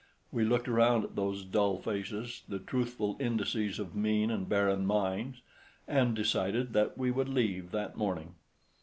We looked around at those dull faces, the truthful indices of mean and barren minds, and decided that we would leave that morning.